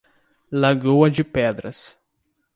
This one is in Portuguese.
Lagoa de Pedras